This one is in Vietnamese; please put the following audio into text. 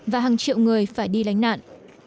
và hàng triệu người phải đi lánh nạn